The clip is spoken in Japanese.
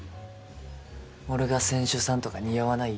俺が船主さんとか似合わない？